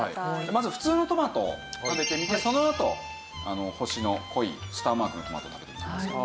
まず普通のトマトを食べてみてそのあと星の濃いスターマークのトマトを食べてみてください。